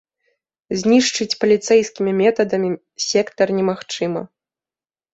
Знішчыць паліцэйскімі метадамі сектар немагчыма.